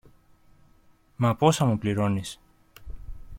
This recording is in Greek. Μα πόσα μου πληρώνεις;